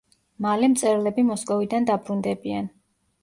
მალე მწერლები მოსკოვიდან დაბრუნდებიან.